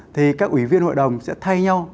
thì các ủy viên hội đồng sẽ thay nhau